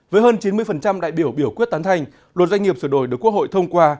với hơn chín mươi đại biểu biểu quyết tán thành luật doanh nghiệp sửa đổi được quốc hội thông qua